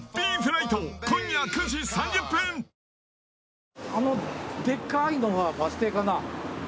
あふっあのでっかいのがバス停かな。